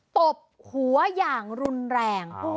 ตบหัวอย่างรุนแรง